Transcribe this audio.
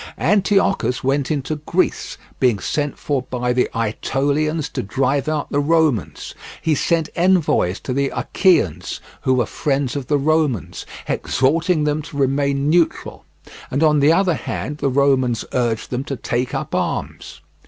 Antiochus went into Greece, being sent for by the Ætolians to drive out the Romans. He sent envoys to the Achaeans, who were friends of the Romans, exhorting them to remain neutral; and on the other hand the Romans urged them to take up arms.